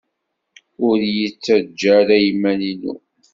Ur iyi-ttajja ara i yiman-inu.